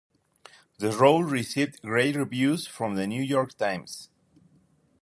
The role received great reviews from The New York Times.